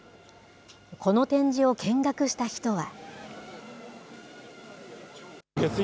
この展示を見学した人は。